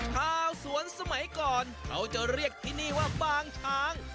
ชาวสวนสมัยก่อนเขาจะเรียกที่นี่ว่าบางช้าง